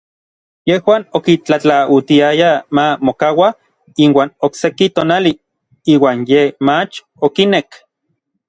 Yejuan okitlatlautiayaj ma mokaua inuan okseki tonali, iuan yej mach okinek.